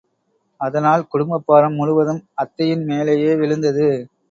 அதனால், குடும்பப் பாரம் முழுவதும் அத்தையின் மேலேயே விழுந்தது.